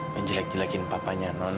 menjelek jelekin papanya man